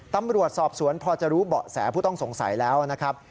ตำรวจสอบสวนพอจะรู้เบาะแสผู้ต้องสงสัยแล้วนะครับ